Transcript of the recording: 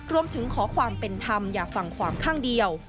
ขอความเป็นธรรมอย่าฟังความข้างเดียว